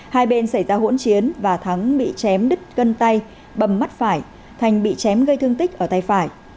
hai bên xảy ra hỗn chiến và thắng bị chém đứt cân tay bầm mắt phải thành bị chém gây thương tích ở tay phải